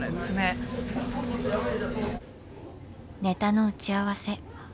ネタの打ち合わせ